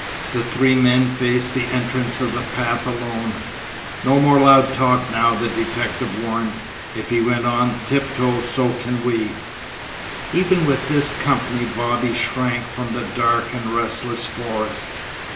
The three men faced the entrance of the path alone. "No more loud talk now," the detective warned. "If he went on tiptoe so can we." Even with this company Bobby shrank from the dark and restless forest.